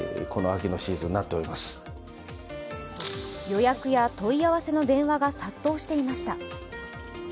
予約や問い合わせの電話が殺到していました。